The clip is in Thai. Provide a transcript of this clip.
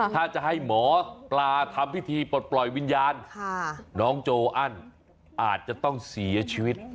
ถ้าจะให้หมอปลาทำพิธีปลดปล่อยวิญญาณน้องโจอันอาจจะต้องเสียชีวิต